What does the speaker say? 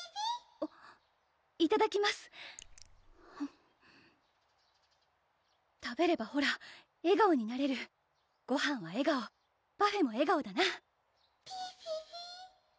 あっいただきます食べればほら笑顔になれるごはんは笑顔パフェも笑顔だなピピピ？